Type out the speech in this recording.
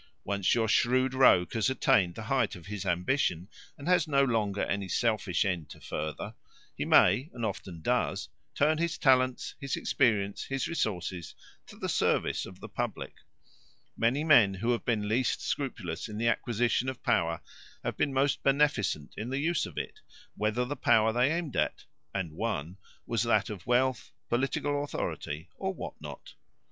Once your shrewd rogue has attained the height of his ambition, and has no longer any selfish end to further, he may, and often does, turn his talents, his experience, his resources, to the service of the public. Many men who have been least scrupulous in the acquisition of power have been most beneficent in the use of it, whether the power they aimed at and won was that of wealth, political authority, or what not.